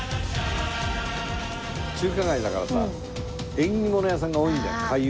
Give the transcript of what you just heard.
中華街だからさ縁起物屋さんが多いんじゃない？